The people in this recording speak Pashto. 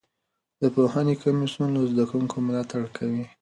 د پوهنې کمیسیون له زده کوونکو ملاتړ کوي.